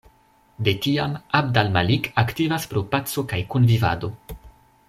De tiam, Abd al Malik aktivas por paco kaj kunvivado.